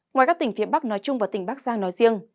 ngoài các tỉnh phía bắc nói chung và tỉnh bắc giang nói riêng